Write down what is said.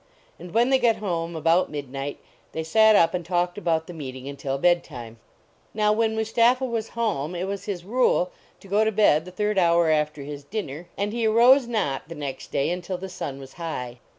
And when they got home, about midnight, they sat up and talked about the meeting until bed time. Now, when Mustapha was home, it was his rule to go to bed the third hour after his din 194 THE VACATION OF MUSTAPHA ner, and he arose not the next day until the sun was high.